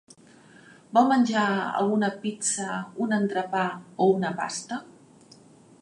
Vol menjar alguna pizza, un entrepà o una pasta?